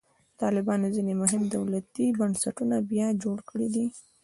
طالبانو ځینې مهم دولتي بنسټونه بیا جوړ کړي دي.